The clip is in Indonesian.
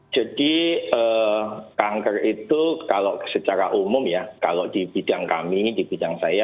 jadi kanker itu kalau secara umum ya kalau di bidang kami di bidang saya